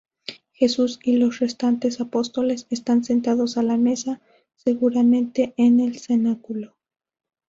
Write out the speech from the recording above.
Jesús y los restantes Apóstoles están sentados a la mesa, seguramente en el Cenáculo.